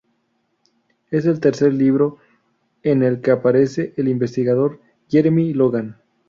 Es el tercer libro en el que aparece el investigador Jeremy Logan.